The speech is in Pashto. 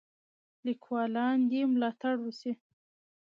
لیکوالان دې ملاتړ وسي.